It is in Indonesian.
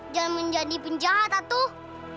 jangan menjadi penjahat atuh